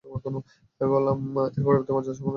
আমি বললাম, এর পরবর্তী মর্যাদাসম্পন্ন মসজিদ কোনটি?